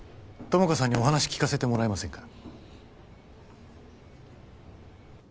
友果さんにお話聞かせてもらえませんか？